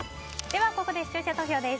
ここで視聴者投票です。